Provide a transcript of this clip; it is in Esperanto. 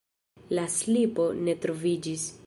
La slipo ne troviĝis.